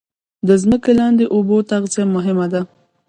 د ځمکې لاندې اوبو تغذیه مهمه ده